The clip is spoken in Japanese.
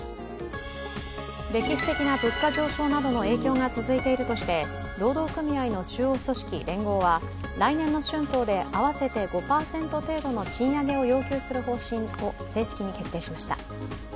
歴史的な物価上昇などの影響が続いているとして労働組合の中央組織、連合は来年の春闘で合わせて５％程度の賃上げを要求する方針を正式に決定しました。